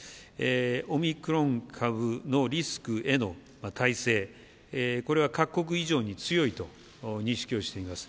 オミクロン株のリスクへの耐性、これは各国以上に強いと認識をしています。